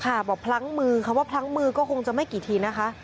บอกพลั้งมือคำว่าพลั้งมือก็คงจะไม่กี่ทีนะคะ